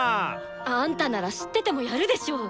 あんたなら知っててもやるでしょ。